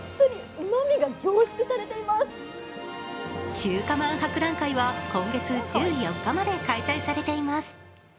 中華まん博覧会は今月１４日まで開催されています。